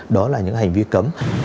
đó là những hành vi cấm